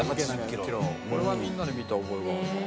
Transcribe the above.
これはみんなで見た覚えがあるな。